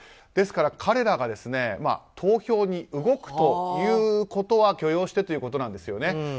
ですから、彼らが投票に動くということは許容してということなんですね。